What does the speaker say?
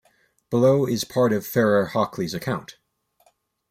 Below is part of Farrar-Hockley's account.